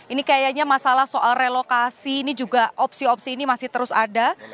ini kayaknya masalah soal relokasi ini juga opsi opsi ini masih terus ada